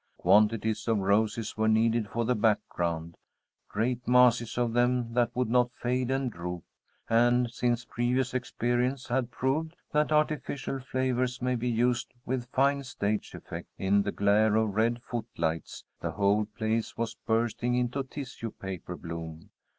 Quantities of roses were needed for the background, great masses of them that would not fade and droop; and since previous experience had proved that artificial flowers may be used with fine stage effect in the glare of red foot lights the whole place was bursting into tissue paper bloom.